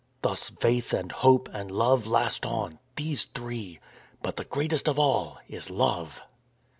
... Thus faith and hope and love last on, these three, but the greatest of all is Love."